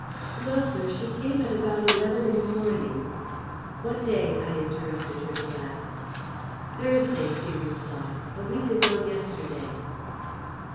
"Well, sir, she came at about eleven in the morning " "What day?" I interrupted her to ask. "Thursday," she replied, "a week ago yesterday."